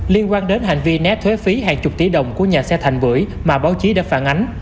liên quan đến hành vi né thuế phí hàng chục tỷ đồng của nhà xe thành bưởi mà báo chí đã phản ánh